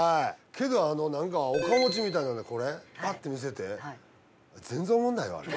けどなんか岡持ちみたいなんでこれパッて見せて全然おもんないわあれ。